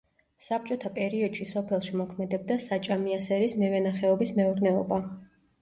საბჭოთა პერიოდში სოფელში მოქმედებდა საჭამიასერის მევენახეობის მეურნეობა.